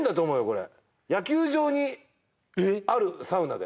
これ野球場にあるサウナだよ